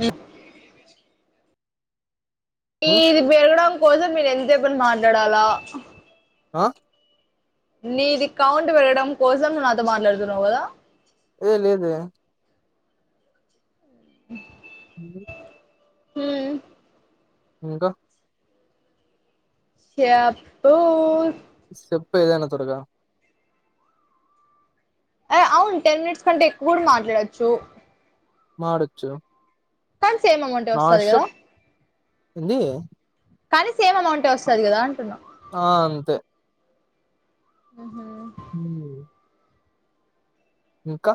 ఏ ఉ ఈది పెరగడం కోసం మీరు ఎంత చెేపని మాట్లాడాలా ఆ నీది కౌంట్ పెరగడం కోసం ను నాతో మాట్లాడుతున్నావు కదా ఏ లేదే ఆ అ ఉమ్ ఇంకా చెప్పు చెెప్పు ఏదన్న తొరగా అ అవును టెన్ మినిట్స్ కంటే ఎక్కువ కూడా మాట్లాడొచ్చు మాడొచ్చు కానీ సేమ్ అమౌంటే వస్తది గదా నాశం ఏంది కానీ సేమ్ అమౌంటే వస్తది గదా అంటున్నాం ఆ అంతే మ్హూ. ఉమ్ ఇంకా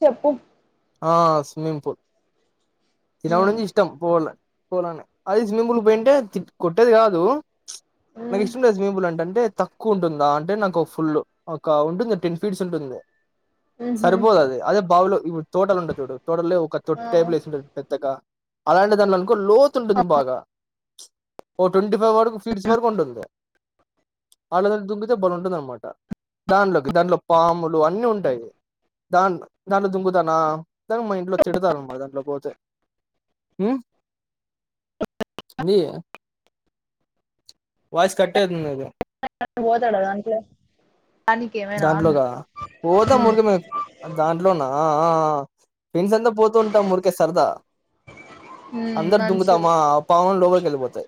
చెప్పు ఆ స్విమ్మింగ్ పూల్ మ్, చిన్నపడంచి ఇష్టం పోవాలే పోలానే అది స్విమ్మింగ్ పూల్ పోయింటే తి కొట్టేది గాదు నాకు మ్, ఇష్టం లేదు స్విమ్మింగ్ పూల్ అంటే అంటే తక్కువ ఉంటుందా అంటే నాకు ఫుల్ ఒక ఉంటుంది టెన్ ఫీట్స్ ఉంటుంది మ్హూ. సరిపోదు అది అదే బావిలో ఇ తోటలు ఉంటయ్ తూడు తోటలో ఒక ఆ, టేబుల్ యేసింటది పెద్దగా అలాంటి దాంట్లో లోతు ఉంటుంది బాగా ఓ ట్వంటీ ఫైవ్ వరకు ఫీట్స్ వరకు ఉంటుంది. అలాంటి దానికి దుంగుతే బలే ఉంటుంది అన్నమాట దాంట్లోకి దాంట్లో పాములు అన్నీ ఉంటాయి. దాంట్లో దాంట్లో దుంగొచ్చు నా దానికి మా ఇంట్లో తిడతారు అన్నమాట దాంట్లో పోతే ఉమ్ ఏంది వాయిస్ కట్టేతుంది బోతాడా దాంట్లో దానికి ఏమైనా అన్నా దాంట్లోగా పోతా మ్, మురికే మేము దాంట్లోన ఆ ఆ ఆ ఫ్రెండ్స్ అంతా పోతూ ఉంటాం మురికే సరదా మ్, అందరు మంచిది దుంగుతామా పాములు లోపలికి యెళ్ళిపోతాయి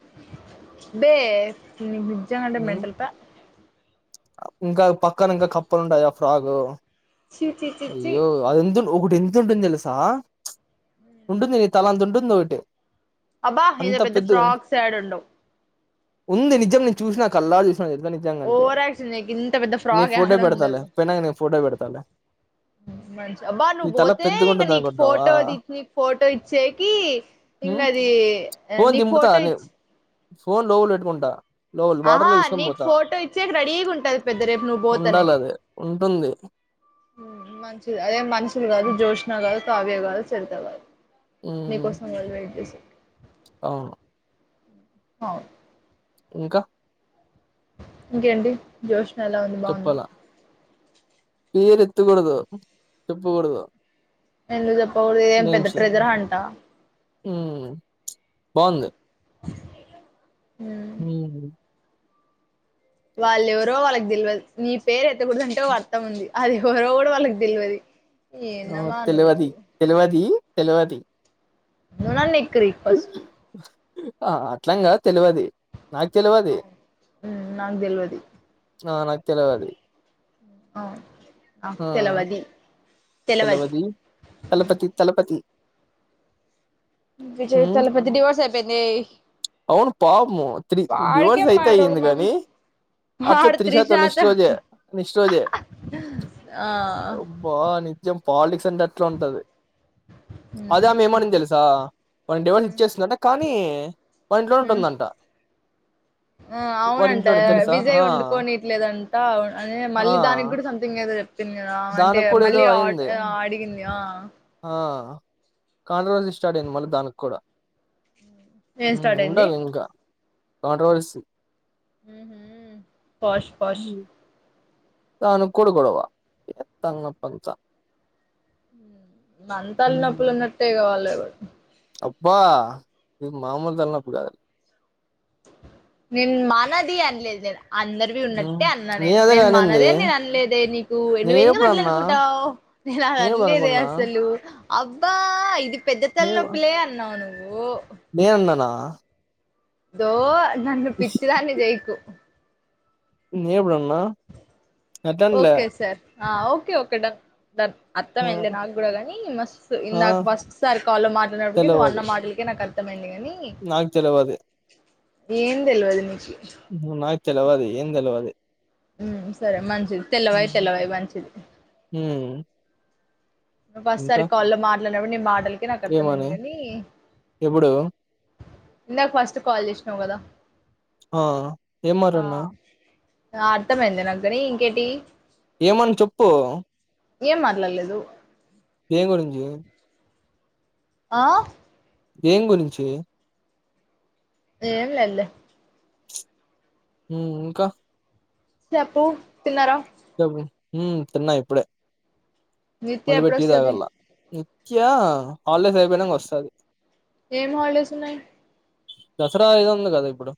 బే నీకు నిజ్జం గాంటే హ్మ్ మెంటల్ పో ఇంకా పక్కన ఇంకా కప్పలు ఉంటాయ్ గా ఫ్రాగు చీ చీ చీ చీ ఎం ఒకటి ఎంత ఉంటుంది దెలుసా ఉంటుంది నీ తల అంత ఉంటుంది ఒకటి అబ్బా ఇంత పెద్ద ఫ్రాగ్స్ యేడ ఉండవ్ ఉంది నిజం నేను చూసిన కళ్ళారా నిజంగాంటే ఓవర్ యాక్షన్ చేయకు ఇంత పెద్ద నీ ఫ్రాక్ ఫోటో యాడ పెడతాలే ఉండదు పోనంగా నీ ఫోటో పెడతాలే మంచి అబ్బా నీ నువ్వు తల బోతే ఇంక పెద్దగుంటుంది నీకు అనుకుంటున్నావా ఫోటోది నీకు ఫోటో ఇచ్చేకి ఇంగ అది ఫోన్ నీకు దింపుతా ఫోటో నీ ఇచ్చ్ ఫోన్ లోపల పెట్టుకుంటా లోపల వాటర్ ఆహా లో తీసుకొని నీకు పోతా ఫోటో ఇచ్చే రెడీగా ఉంటది పెద్ద రేపు నువ్వు బోతనే ఉండాలి అది ఉంటుంది మంచిది అదే మనుషులు గాదు జ్యోత్స్న గాదు కావ్య గాదు చెరిత గాదు మ్మ్ నీకోసం వాళ్ళు వేట్ జేస్తరు అవును అవును ఇంకా ఇంకేంటి జ్యోత్స్న ఎలా ఉంది బాగుందా చెప్పాలా పేరు ఎత్తగూడదు చెప్పగూడదు ఎందు జెప్పకూడదు ఇదేం పెద్ద ట్రేజర్ హంటా ఉమ్ బాగుంది [inaudible] ఉమ్ వాళ్ళెవరో వాళ్ళకి దెలువదు నీ పేరు ఎత్తకూడదంటే ఒక అర్థం ఉంది అది ఎవరో కూడా వాళ్ళకు దెలువది ఆ తెలువది తెలువది తెలువది నువ్వు నన్ను ఎక్రీ ఫస్ట్ ఆ అట్లంగాద్ తెలువది నాంగ్ తెలివది ఆ నాకు తెలువది ఆ తెలవది తెలవది తలపతి తలపతి విజయ్ మ్మ్ తలపతి డివోర్స్ అయిపోయిందంది అవును పాపము తీ డివర్స్ అయితేయింది మాయరోగం కాని అట్లే వాడు త్రిష తో నెక్స్ట్ త్రిషాతో రోజు నెక్స్ట్ రోజు ఆ ఆబా నిజం పాలిటిక్స్ అట్లా ఉంటంది అదే మ్మ్ ఆమె ఏమని తెలుసా డివర్స్ మ్మ్ ఇచ్చేస్తుంట కానీ కానీ వాళ్ల ఇంట్లో మ్మ్ ఉంటుందంట ఆ వాడి అవునంట ఇంట్లోనే తెలుసా? విజయ్ ఆ! వండుకోనిట్ లేదంట అని. ఆ! మళ్ళీ దానికి కూడా సంథింగ్ ఏదో చెప్పింది కదా అంటే దానికి కూడా ఏదో మళ్ళీ అయింది. ఆ అడిగింది ఆ కాండ రోజులు స్టార్ట్ అయింది మళ్ళీ దానికి కూడా ఏం స్టార్ట్ అయింది ఉండాలి ఇంకా కాంటవలిసి ఉ హు ఫష్ ఫష్ హ్మ్. దానికి కూడా గొడవ అత్త ఉందని చెప్పి అంతా తల నొప్పి హ్మ్. ఉన్నట్టే ఇంకా వాళ్ళు ఉంటే అబ్బా ఇది మామూలు తలనొప్పి కాదు నిను మనది అనలేదు అందరివి హ్మ్. ఉన్నట్టే అన్నా నేను అదేగా నేను మనదే అనింది. నేను అనలేదే నీకు నువ్వు ఎందుకు అట్ల నేనెప్పుడన్నా అనుకుంటావు నేను అది నేనెప్పుడు అనలేదే అనుకున్నా అసలు అబ్బా ఇది పెద్ద నే తల్లనొప్పిలే అన్నావు నువ్వు నేనన్నానా ఇదో నన్ను పిచ్చిదాన్ని చెయ్యకు నేప్పుడన్న ఓకే సార్ ఆ ఓకే ఓకే డన్ ఆ ఆ అర్థమైంది నాకు కూడా కాని మ ఆ నాకు ఫస్ట్ సారి కాల్లో మాట్లాడినప్పటిక నువ్వు అన్న తెలవది మాటలకే నాకు అర్థమైంది- గాని నాకు తెలవది ఏం తెలవదు నీకు నాకు తెలవది ఏం తెలవది సరే మంచిది తెల్లవయి హ్మ్ తెల్లవాయి మంచిది హ్మ్. నువ్వు ఫస్ట్ ఇంకా సారి కాల్ లో మాట్లాడినప్పుడే నీ మాటలకి నాకు అర్థమైంది ఏమని కాని ఎప్పుడు ఇందాక ఫస్ట్ కాల్ చేసినావ్ కదా ఆ ఏం ఆ మాట్లాడిన ఆ అర్థమైంది గాని ఇంకేటి ఏమన చెప్పు ఏం మట్లాలేదు దేని గురించి ఆ ఏం గురించి ఏం లేదులే ఉ ఇంకా చెప్పు తిన్నారా చెప్పు ఉ తిన్న ఇప్పుడే నిత్య ఎప్పుడొస్తది నిత్య హాలిడేస్ అయిపోయినంక వస్తది ఏం హాలిడేస్ ఉన్నాయి దసరా ఏదో ఉంది కదా ఇప్పుడు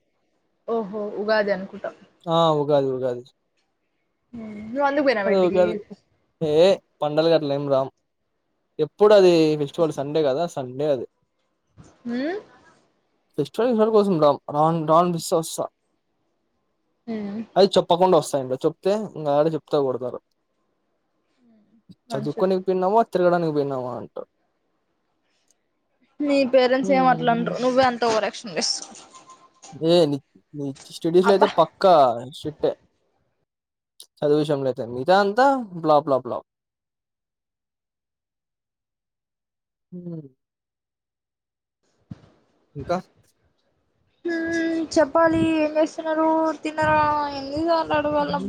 ఓహో ఉగాది అనుకుంటా ఆ ఉగాది ఉగాది నువ్వు అందుకు పోయినావ ఇంటికి ఉగాది ఏ పండగలనీ మేం రామ్ ఎప్పుడు అది ఫెస్టివల్ సండే కాదా సండే అది ఊ ఫెస్టివల్ కోసం రాం రాన్ రా అని బిస్తే వస్తా హ్మ్ అది చెప్పకుండా వస్తా ఇంగ చెప్తే ఇంగాడే చెప్పుతో కొడతారు మంచిది చదువుకోనికి పిన్నావా తిరగడానికి పోన్నావా అంటారు నీ పేరెంట్స్ ఏం అట్ల హ్మ్ అనరు నువ్వే అంత ఓవరాక్షన్ చేసు దేని స్టిడీ లో అయితే పక్కా స్ట్రిక్టే చదువు విషయంలయితే మిగతా అంతా బ్లా బ్లా బ్లా ఊ ఇంకా ఊ చెప్పాలి ఏం చేస్తున్నారు తిన్నార ఎన్ని సాల్ ఊ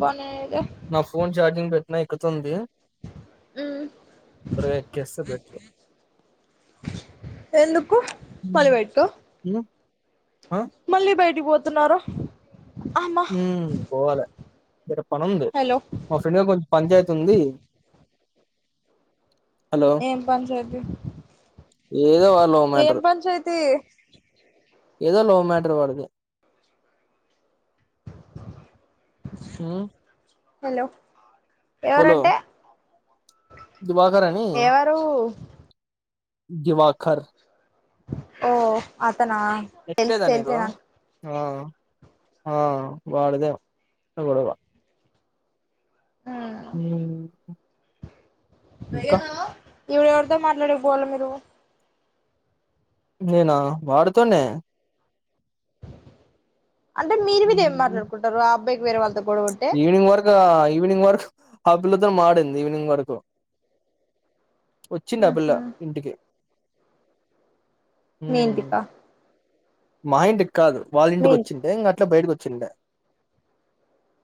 నా ఫోన్ చార్జింగ్ పెట్టినా ఎకుతుంది హ్మ్ త్వరగా ఎక్కేస్తే బెటర్ ఎందుకు హ్మ్ మల్లి పెట్టుకో హ్మ్. ఆ మళ్ళీ బయటికి పోతున్నార ఊమ్ పోవాలె బయట పని ఉంది హలో మా ఫ్రెండ్గా కొంచెం పంచాయతీ ఉంది హలో ఏం పంచాయతీ ఏదో వా లవ్ ఏం మ్యాటర్ పంచాయతీ ఏదో లవ మాటర్ వాడిది ఆ హలో ఎవరంటే దివాకర్ అని ఎవరు దివాకర్ ఓ అతన తెలుసు ఎట్లేదా నీకు తెలిసే నాకు ఆ ఆ వాడిదేమ్ ఆ గొడవ హ్మ్ ఊహు వెయనా ఇపుడు ఎవరితో మాట్లాడక పోవాల మీరు ఉద్వేనా వాడితోనే అంటే మీరు మీరు ఏం మాట్లాడుకుంటారు ఆ అబ్బయికి వేరే వాళ్ళతో గొడవపడితే ఈవనింగ్ వర్క ఈవనింగ్ వర్క్ ఆ పిల్లతోని మాడింది ఈవినింగ్ వరకు వచ్చింది ఆ పిల్ల ఆహా ఇంటికి ఉమ్ మీంతిపా మా ఇంటికి కాదు వాళ్ళ ఇంటికి వచ్చిండే ఇంకా అట్లా బయటకి వచ్చిండే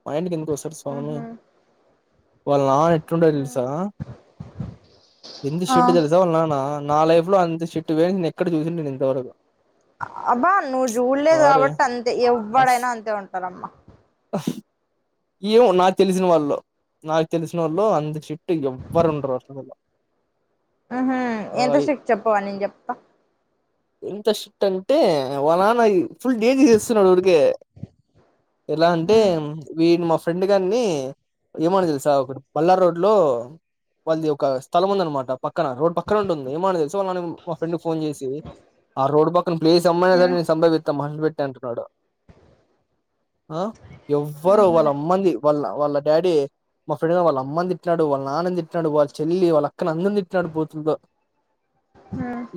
మా ఇంటికి ఎందుకు గోసెట్ స్వామి ఆహా వాళ్ళ నా ఎట్టుంట తెలుసా ఎందు ఆ షెడ్టు తెలుస వాల నాన్న నా లైఫ్ లో అంత షిట్ గ నేను ఎక్కడ చూసి ఉండను నేను ఇంతవరకు అబ్బా నువ్వు చూడలేదు వారే కాబట్టి అంతే అస్ ఎవ్వడైనా అంతే ఉంటారమ్మా ఏమో నాకు తెలిసిన వాళ్ళు నాకు తెలిసినోళ్ళు అంత చిట్టు ఎవ్వరు ఉండరు హాస్టల్ ల ఆహ ఎంత శప్ చెప్పవా నేను చెప్తా ఎంత షిట్ అంటే వాల్ నాన్న ఫుల్ డేకియేస్తున్నడు ఊరికే ఎలా అంటే వీడ్ మఫ్ ఫ్రెండ్ గాడిని ఏమడు తెలుసా ఒకటీ పల్నాడ్ రోడ్ లో వాళ్ళది ఒక స్థలము ఉందన్నమాట పక్కన రోడ్ పక్కన ఉంటుంది ఏమనడ తెలుసు వాళ్ళ నాన్న మా ఫ్రెండ్ ఫోన్ చేసి ఆ రోడ్డు పక్కన ప్లేసమ్మయిన సరే నేన్ సంబదిత మండ్ పెట్ ట్ టంటున్నాడు ఆ ఎవరు ఆహా వాళ్ళ అమ్మది వాళ్ళ వాళ్ళ డాడీ మా ఫ్రెండ్గా వాళ్ళ అమ్మని తిట్టిన్నాడు వాళ్ళ నాన్నని తిటినాడు వాళ్ళ చెల్లి వాళ్ళ అక్కని అందరిని తిట్టినాడు బూతుల్ తో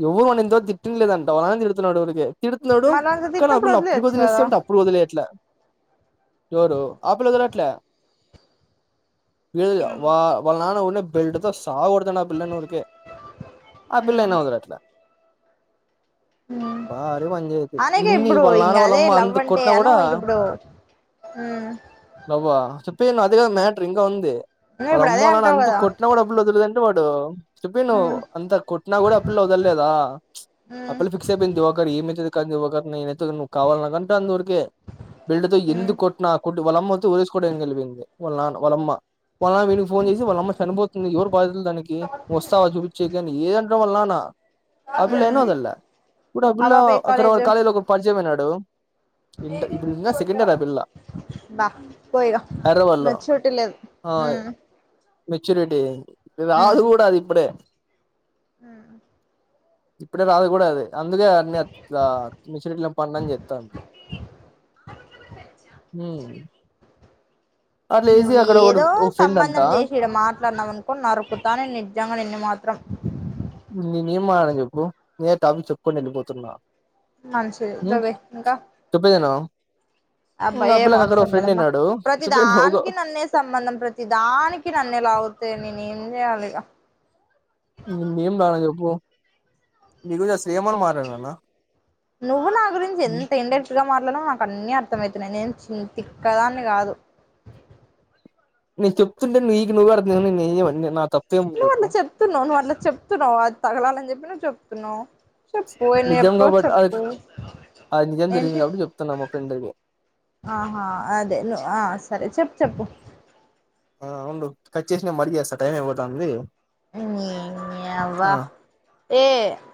ఎవరు వాని ఇంత వరకు తిటింది లేదంట వాన్ తిడుతున్నాడు ఊరికే తిడుతున్నాడు మళ్ళ అంత కానీ ఆ తిట్టినప్పుడు పిల్ల అప్పటికి వదిలేయొచ్చు వదిలేస్తా కదా అంటే అప్పుడు వదిలేయట్లా ఎవరు ఆ పిల వదలట్లే ఏయ్ వా వాళ్ళ నాన్న ఉర్నె బల్ట్ తొ సావగొడతడు నా పిల్లని ఉరికె ఆ పిల్లైనా వదలట్ల మ్ పంచాయతీ అనేగా ఇన్ని ఇప్పుడు వాళ్ళ ఇంక నాన్న వాళ్ళ అదే అమ్మ లవ్ అంత అంటే కొట్టినా అను కూడా ఇంక ఇప్పుడు మ్ చెప్పేఇను అదే కద మ్యాటర్ ఇంకా ఉంది నువ్వు వాళ్ళు ఇప్పుడు అమ్మ అదే వాళ్ళ నాన అంటావు అంత గా కదా కొట్టినా కూడా ఆ పిల్లని వదులేదంటే వాడు చెప్పి ను్ ఉమ్ అంతా కొట్టినా కూడా అప్పిల్ల వదల్లేదా ఉమ్ అపిల్ల ఫిక్స్ అయిపోయింది ఒకరు ఏమైతుది ఒకరిని నేనైతే నువ్వు కావాలకంటే అంతవరకే బెల్డ్ తో ఎందు కొట్టిన కు వాలమ్మ అయితె ఉరేసుకోవడానికి కెలిపొయింది వాళ నాన వాలమ్మ వాళ్ల నాన వీనికి ఫోన్ చేసి వాళ్ళ అమ్మ చనిపోతుంది ఎవరు బాధితులు దానికి ను వొస్తావా చూపిచ్చె కీ అని ఏం అంటడో వాళ్ళనా న ఆపిల్ల అయినా వదల్లా ఇప్పుడు ఆ అపిల్లా పాప ఏ అక్కడ కాలేజ్ వాడు కాలేజీ లో ఒకడు పరిచయమై నాడు ఇంట ఇప్పుడు ఇంగ ఇంటర్ అ పిల్ల బా పో ఇగ హైదరాబాదు లొ నాకు చుట్టి లేదు ఆ... మ్మ్ మెచ్యూరిటీ రాదు కూడా అది ఇప్పుడే మ్.. ఇప్పుడే రాదు కూడా అదే అందుకే అన్నీ అట్లా మిషన్ ఇట్ల పనులన్ని చెస్తాంది మ్ నువ్వు ఏదో ఒక ఫ్రెండ్ అంట సంబంధం చేసి ఇడ మాట ట్లడినవనుకో నరుక్కుతా నిజ్జంగా నిన్ను మాత్రం నేనేం మాటాడిన చెప్పు నేనె టాపిక్ చెప్పుకోని వెళ్ళిపోతున్నా మంచిది మ్.. దవే ఇంకా ‌చెప్పేదినూ అబ్బా ఏం అవసరం లేదమ్మా అయినాడు ప్రతి చెప్పే నువ్వు దానికి నన్నే సంబంధం ప్రతి దానికి నన్నే లాగు నేను ఏం చేయాలిగా నినేం లాగిన చెప్పు అసలు ఏమని మాట్లాడినానా నువ్వు నా గురించి ఎంత ఇన్ డైరెక్ట్ గా మ ఆ నాకు అన్నీ అర్థమవుతున్నాయి నేను చి తిక్కదాన్ని కాదు నేను చెప్తుంటే నీకి నువ్వు అర్థం చెసుకుంటె నన్నేంచెయమంటవ్ నా తప్ప నువ్ అట్ల చెప్తున్నావు నువ్వు అట్ల చెప్తున్నావు అది తగలాని చెప్పి నువ్వు చెప్తున్నావ్ పొయిన నిజం ఎప్పొ కాబట్టి చెప్పు అది నిజం జరిగింది ఏంటి కాబట్టి చెప్తున్నా మా ఫ్రెండ్కి ఆహా అదే నువ్ ఆ సరే చెప్పు చెప్పు ఆ ఉండు కట్ చేసి నె మళ్ళి చేస్తా టైం అయిపోతా ఉందీ మ్. నీ... యవ్వ ఏ